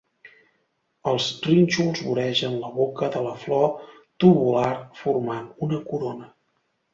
Els rínxols voregen la boca de la flor tubular formant una corona.